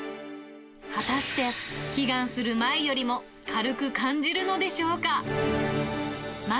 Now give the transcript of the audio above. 果たして祈願する前よりも軽く感じるのでしょうか？